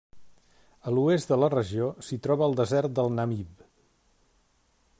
A l'oest de la regió s'hi troba el desert del Namib.